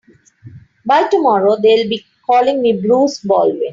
By tomorrow they'll be calling me Bruce Baldwin.